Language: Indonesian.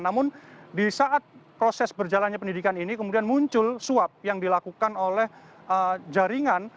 namun di saat proses berjalannya pendidikan ini kemudian muncul suap yang dilakukan oleh jaringan